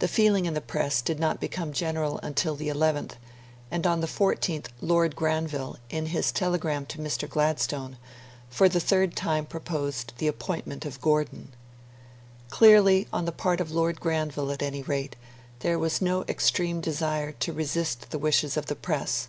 The feeling in the Press did not become general until the 11th, and on the 14th Lord Granville, in his telegram to Mr. Gladstone, for the third time proposed the appointment of Gordon. Clearly, on the part of Lord Granville at any rate, there was no extreme desire to resist the wishes of the Press.